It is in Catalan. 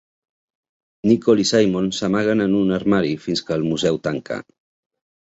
Nicole i Simon s'amaguen en un armari fins que el museu tanca.